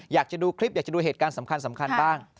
อยากจะดูคลิปอยากจะดูเหตุการณ์สำคัญบ้าง